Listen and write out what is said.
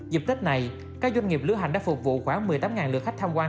dịp tết này các doanh nghiệp lưu hành đã phục vụ khoảng một mươi tám lượt khách tham quan